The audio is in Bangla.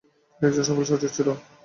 তিনি একজন সফল শাসক ছিলেন।